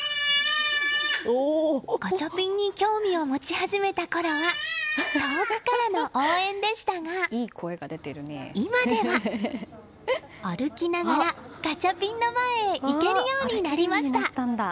ガチャピンに興味を持ち始めたころは遠くからの応援でしたが今では、歩きながらガチャピンの前へ行けるようになりました。